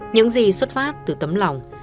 những gì xuất phát từ tấm lòng